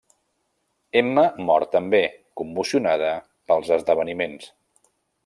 Emma mor també, commocionada pels esdeveniments.